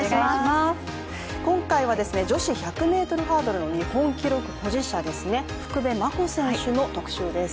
今回は女子１００ｍハードルの日本記録保持者、福部真子選手の特集です。